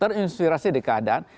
terinspirasi di keadaan